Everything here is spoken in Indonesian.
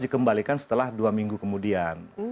dikembalikan setelah dua minggu kemudian